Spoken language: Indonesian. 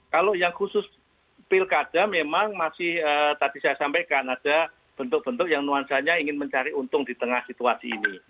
kalau yang khusus pilkada memang masih tadi saya sampaikan ada bentuk bentuk yang nuansanya ingin mencari untung di tengah situasi ini